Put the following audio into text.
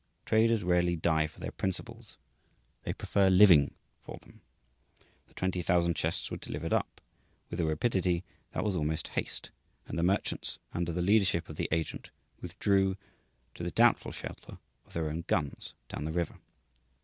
Traders rarely die for their principles they prefer living for them. The 20,000 chests were delivered up, with a rapidity that was almost haste; and the merchants, under the leadership of the agent, withdrew to the doubtful shelter of their own guns, down the river.